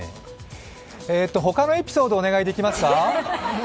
他のエピソードお願いできますか？